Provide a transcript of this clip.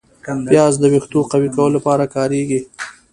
پیاز د ویښتو قوي کولو لپاره کارېږي